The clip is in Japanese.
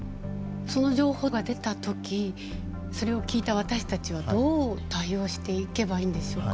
その情報が出た時それを聞いた私たちはどう対応していけばいいんでしょうか？